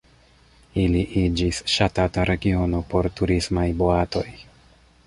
Ili iĝis ŝatata regiono por turismaj boatoj.